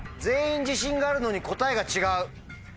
全員自信があるのに答えが違う。